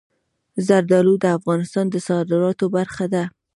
زردالو د افغانستان د صادراتو برخه ده.